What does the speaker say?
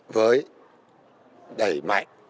với đẩy mạnh